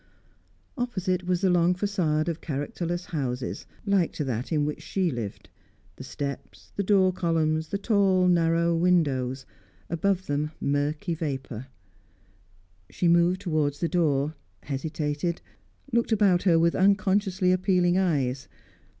Opposite was the long facade of characterless houses, like to that in which she lived; the steps, the door columns, the tall narrow windows; above them, murky vapour. She moved towards the door, hesitated, looked about her with unconsciously appealing eyes.